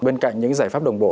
bên cạnh những giải pháp đồng bộ